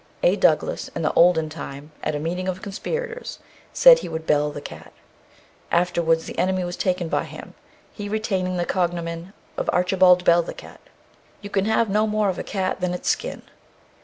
A Douglas in the olden time, at a meeting of conspirators, said he would "bell the cat." Afterwards the enemy was taken by him, he retaining the cognomen of "Archibald Bell the cat." _You can have no more of a cat than its skin.